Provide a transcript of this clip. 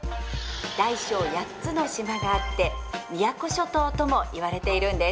大小８つの島があって宮古諸島とも言われているんです。